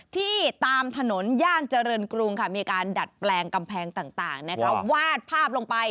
ที่ตามถนนย่านเจริญกรุงมีการดัดแปลงกำแพงต่างวาดภาพลงไป